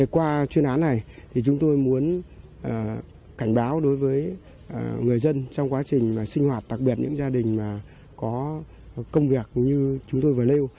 qua chuyên án này chúng tôi muốn cảnh báo đối với người dân trong quá trình sinh hoạt đặc biệt những gia đình có công việc như chúng tôi vừa nêu